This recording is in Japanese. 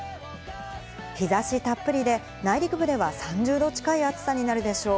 日差したっぷりで内陸部では３０度近い暑さになるでしょう。